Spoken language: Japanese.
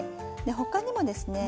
他にもですね